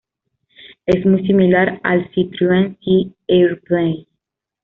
Es muy similar al Citroën C-Airplay.